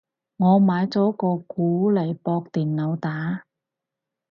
我買咗個鼓嚟駁電腦打